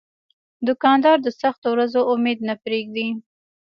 دوکاندار د سختو ورځو امید نه پرېږدي.